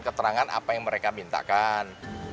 keterangan apa yang mereka mintakan